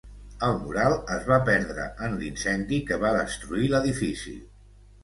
El mural es va perdre en l'incendi que va destruir l'edifici.